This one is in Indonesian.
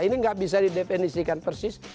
ini nggak bisa didefinisikan persis